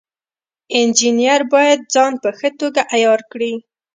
انجینر باید ځان په ښه توګه عیار کړي.